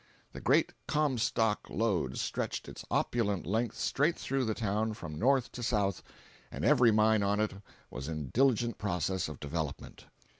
The great "Comstock lode" stretched its opulent length straight through the town from north to south, and every mine on it was in diligent process of development.